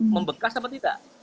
membekas atau tidak